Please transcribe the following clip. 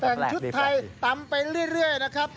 แต่งชุดไทยตำไปเรื่อยนะครับ